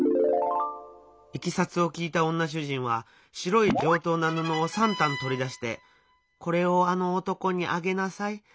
いきさつを聞いた女主人は白い上等な布を３反取り出して「これをあの男にあげなさい。